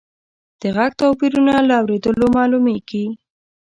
د غږ توپیرونه له اورېدلو معلومیږي.